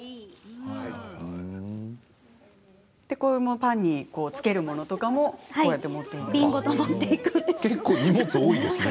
パンにつけるものとかも持っていくんですね。